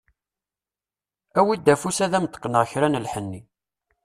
Awi-d afus ad am-d-qqneɣ kra n lḥenni.